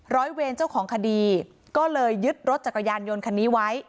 ร้อยเวรเจ้าของคดีก็เลยยึดรถจักรยานยนต์คันนี้ไว้